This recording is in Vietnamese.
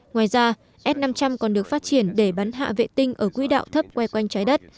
ngoài ra s năm trăm linh còn được phát triển để bắn hạ vệ tinh ở quỹ đạo thấp que quanh trái đất